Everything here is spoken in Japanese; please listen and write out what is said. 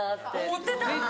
思ってた。